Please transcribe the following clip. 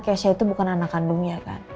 keisha itu bukan anak kandungnya kan